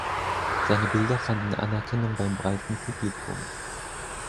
Seine Bilder fanden Anerkennung beim breiten Publikum.